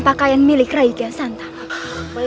pakaian milik raika santan